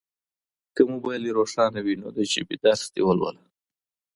که موبایل دي روښانه وي نو د ژبې درس دي ولوله.